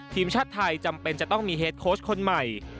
ทีมชาติไทยจำเป็นจะต้องมีเฮดโค้ชคนใหม่